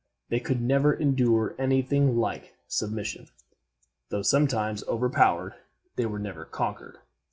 They could never endure any thing like submission. Though sometimes overpowered, they were never conquered.